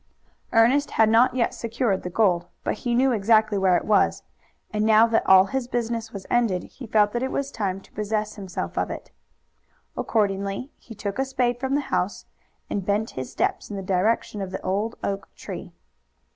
Ernest had not yet secured the gold, but he knew exactly where it was, and now that all his business was ended he felt that it was time to possess himself of it. Accordingly, he took a spade from the house, and bent his steps in the direction of the old oak tree.